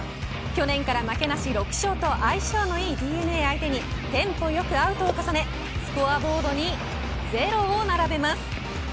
去年から負けなし６勝と相性のいいＤｅＮＡ相手にテンポよくアウトを重ねスコアボードに０を並べます。